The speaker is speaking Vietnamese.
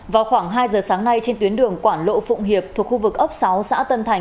vào khoảng hai giờ sáng nay trên tuyến đường quảng lộ phụng hiệp thuộc khu vực ốc sáu xã tân thành